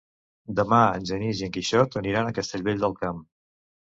Demà en Genís i en Quixot aniran a Castellvell del Camp.